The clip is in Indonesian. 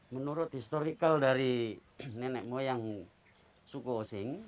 menurut historical dari nenek moyang suku osing